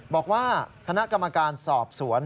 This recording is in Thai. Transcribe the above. บอกว่าคณะกรรมการสอบสวน